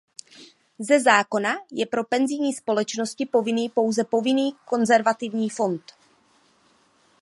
Ze zákona je pro penzijní společnosti povinný pouze Povinný konzervativní fond.